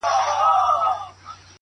• نه نه غلط سوم وطن دي چین دی,